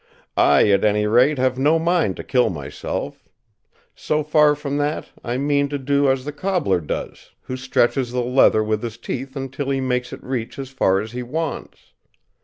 I, at any rate, have no mind to kill myself; so far from that, I mean to do as the cobbler does, who stretches the leather with his teeth until he makes it reach as far as he wants.